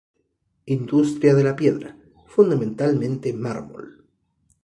Industria de la piedra, fundamentalmente mármol.